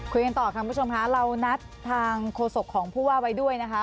คุยกันต่อค่ะคุณผู้ชมค่ะเรานัดทางโฆษกของผู้ว่าไว้ด้วยนะคะ